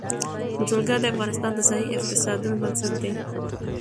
جلګه د افغانستان د ځایي اقتصادونو بنسټ دی.